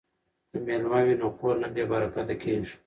که میلمه وي نو کور نه بې برکته کیږي.